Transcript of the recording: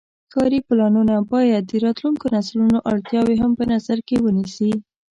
ښاري پلانونه باید د راتلونکو نسلونو اړتیاوې هم په نظر کې ونیسي.